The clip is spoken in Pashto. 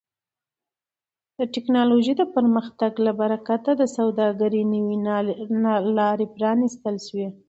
د ټکنالوژۍ د پرمختګ له برکت د سوداګرۍ نوې لارې پرانیستل شوي دي.